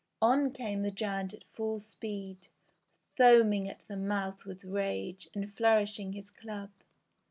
On came the giant at full speed, foaming at the mouth with rage, and flourishing his club.